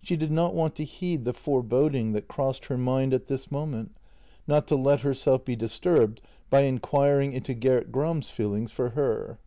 She did not want to heed the foreboding that crossed her mind at this moment, not to let herself be disturbed by inquiring into Gert Gram's feelings for her.